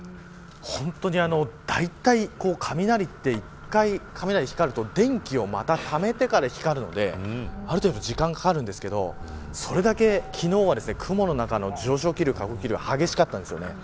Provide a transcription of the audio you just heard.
本当に、だいたい雷って１回光ると電気をまたためながら光るのである程度時間がかかるんですけどそれだけ昨日は、雲の中の上昇気流が激しかったんですね。